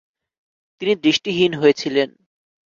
তিনি দৃষ্টিহীন হয়েছিলেন।